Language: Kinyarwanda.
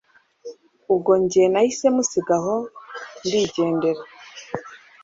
ubwo njye nahise musiga aho ndigendera